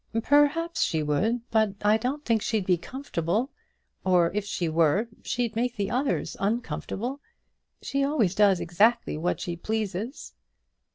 "Perhaps she would, but I don't think she'd be comfortable; or if she were, she'd make the others uncomfortable. She always does exactly what she pleases."